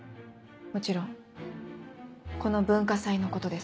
もちろんこの文化祭のことです。